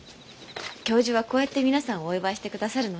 教授はこうやって皆さんをお祝いしてくださるのね。